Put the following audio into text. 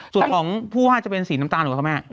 ส่วนของผู้ว่าจะเป็นสีน้ำตาลหรือคะแม่